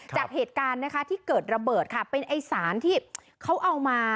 จากเหตุการณ์นะคะที่เกิดระเบิดค่ะเป็นไอ้สารที่เขาเอามา